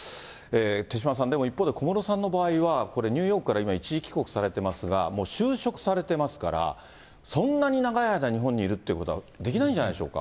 手嶋さん、でも一方で小室さんの場合は、ニューヨークから今、一時帰国されてますが、就職されてますから、そんなに長い間日本にいるということはできないんじゃないでしょうか。